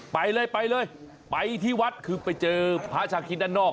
ไปเลยไปที่วัดคือไปเจอพระอาชาคริสต์ด้านนอก